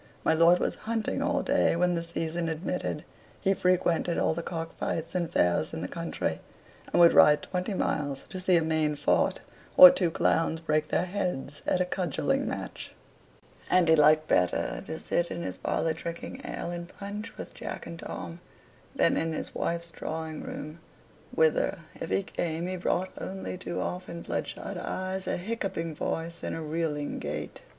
My lord was hunting all day when the season admitted; he frequented all the cock fights and fairs in the country, and would ride twenty miles to see a main fought, or two clowns break their heads at a cudgelling match; and he liked better to sit in his parlor drinking ale and punch with Jack and Tom, than in his wife's drawing room: whither, if he came, he brought only too often bloodshot eyes, a hiccupping voice, and a reeling gait.